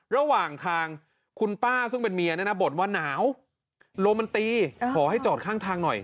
ระหว่างทางคุณป้าซึ่งเป็นเมียเนี่ยนะบ่นว่าหนาวลมมันตีขอให้จอดข้างทางหน่อย